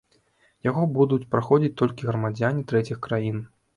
Яго будуць праходзіць толькі грамадзяне трэціх краін.